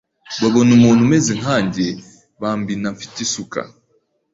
babona umuntu umeze nkanjye , bambina mfite isuka,